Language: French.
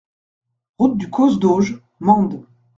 Route du Causse d'Auge, Mende